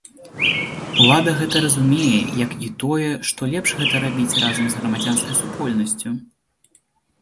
Улада гэта разумее, як і тое, што лепш гэта рабіць разам з грамадзянскай супольнасцю.